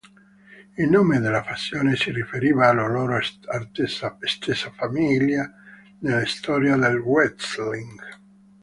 Il nome della fazione si riferiva alla loro estesa famiglia nella storia del wrestling.